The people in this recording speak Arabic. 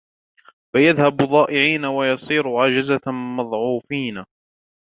فَيَذْهَبُوا ضَائِعِينَ وَيَصِيرُوا عَجَزَةً مَضْعُوفِينَ